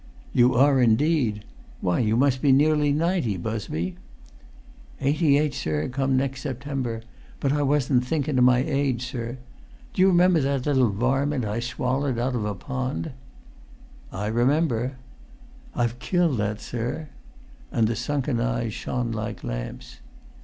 "You are, indeed. Why, you must be nearly ninety, Busby?" "Eighty eight, sir, come next September. But I wasn't thinkun o' my age, sir. Do you remember that little varmin I swallered out 'f a pond?" "I remember." "I've killed that, sir!" And the sunken eyes shone like lamps.